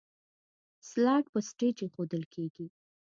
سلایډ په سټیج ایښودل کیږي.